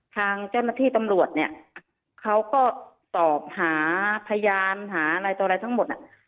ทางเจ้าหน้าที่ตำรวจเนี่ยเขาก็ตอบหาพยานหาอะไรต่ออะไรทั้งหมด